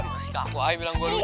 masih kaku aja bilang gue lucu